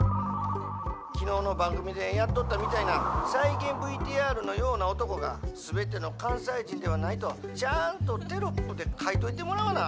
☎昨日の番組でやっとったみたいな再現ＶＴＲのような男が全ての関西人ではないとちゃんとテロップで書いといてもらわな。